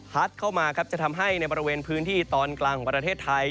เข้ามาครับจะทำให้ในบริเวณพื้นที่ตอนกลางของประเทศไทย